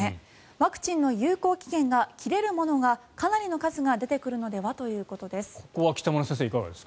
ワクチンの有効期限が切れるものがかなりの数が出てくるのでは？ということです。